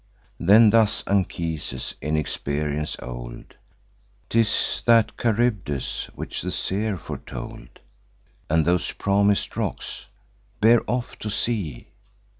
Then thus Anchises, in experience old: ''Tis that Charybdis which the seer foretold, And those the promis'd rocks! Bear off to sea!